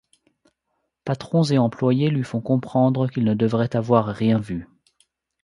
Patrons et employés lui font comprendre qu'il ne devrait avoir rien vu.